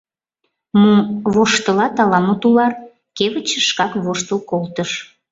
— Мо... воштылат ала-мо, тулар... — кевытче шкак воштыл колтыш.